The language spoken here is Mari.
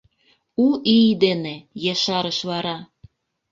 — У ий дене! — ешарыш вара.